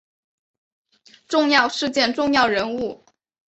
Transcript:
重要事件重要人物